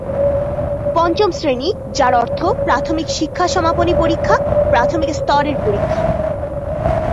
পঞ্চম শ্রেণী যার অর্থ প্রাথমিক শিক্ষা সমাপনী পরীক্ষা প্রাথমিক স্তরের শিক্ষা।